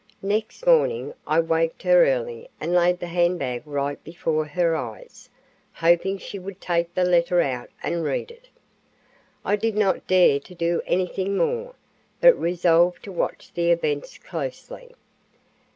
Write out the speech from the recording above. Next morning I waked her early and laid the handbag right before her eyes, hoping she would take the letter out and read it. I did not dare to do anything more, but resolved to watch the events closely.